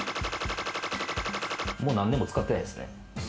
もう何年も使ってないですね。